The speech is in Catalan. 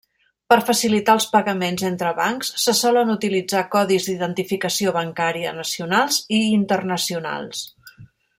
Per facilitar els pagaments entre bancs, se solen utilitzar codis d'identificació bancària nacionals i internacionals.